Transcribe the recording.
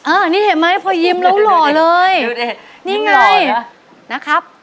อันนี้เห็นไหมพอยิ้มแล้วหล่อเลยนี่ไงนะครับ